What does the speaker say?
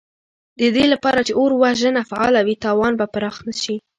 د دې لپاره چې اور وژنه فعاله وي، تاوان به پراخ نه شي.